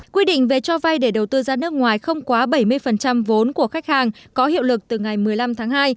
quy định về cho vay để đầu tư ra nước ngoài không quá bảy mươi vốn của khách hàng có hiệu lực từ ngày một mươi năm tháng hai